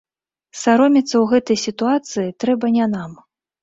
Саромецца ў гэтай сітуацыі трэба не нам.